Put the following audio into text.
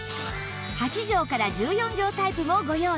８畳から１４畳タイプもご用意